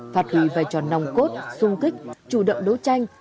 phạt hủy vai trò nòng cốt sung kích chủ động đấu tranh